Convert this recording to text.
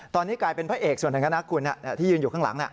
ตอนนี้กลายเป็นพระเอกส่วนหนึ่งคณะคุณที่ยืนอยู่ข้างหลัง